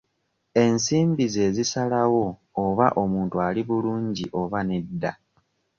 Ensimbi z'ezisalawo oba omuntu ali bulungi oba nedda.